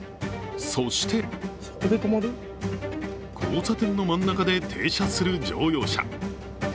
そして交差点の真ん中で停車する乗用車。